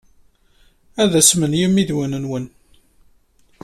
Ad asmen yimidiwen-nwen.